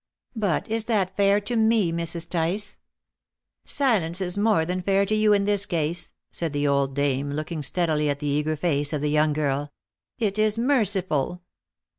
"But is that fair to me, Mrs. Tice?" "Silence is more than fair to you in this case," said the old dame, looking steadily at the eager face of the young girl. "It is merciful."